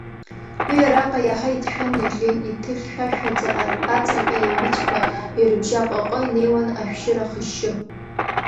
Уи араҟа иаҳа иҭшәан иаӷьын, иҭыхьшәашәааӡа ацаҟьа еиҩыцәқәа ирыбжьаҟыҟы инеиуан ашәшьыра ахашьшьы.